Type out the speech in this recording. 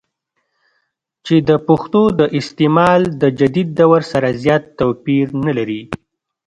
چې دَپښتو دَاستعمال دَجديد دور سره زيات توپير نۀ لري